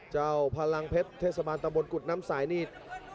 พลังเพชรเทศบาลตะบนกุฎน้ำสายนี่